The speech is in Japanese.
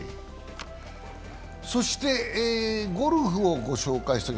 そしてゴルフをご紹介します。